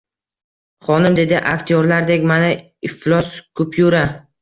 Xonim, dedi aktyorlardek, mana, iflos kupyura